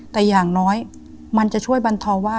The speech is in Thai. แต่อย่างน้อยมันจะช่วยบรรเทาว่า